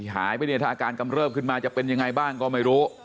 หายไปเนี่ยถ้าอาการกำเริบขึ้นมาจะเป็นยังไงบ้างก็ไม่รู้